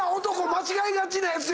間違いがちなやつやわ。